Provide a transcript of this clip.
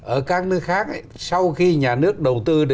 ở các nước khác ấy sau khi nhà nước đầu tư để xã hội hóa